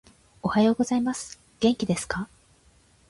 おはようございます。元気ですか？